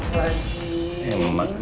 maka dia udah kembali